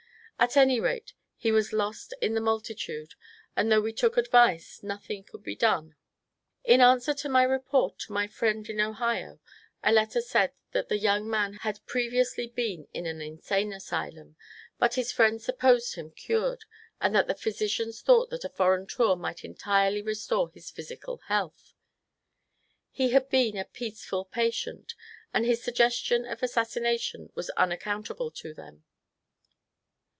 At any rate, he was lost in the multitude, and though we took advice, nothing could be done. In answer to my report to my friend in Ohio, a letter said that the young man had previously beeu in an insane asylum, but his friends supposed him cured, and the physicians thought that a foreign tour might entirely restore his physical health. He had been a peaceful patient, and his suggestion of assassi nation was unaccountable to them.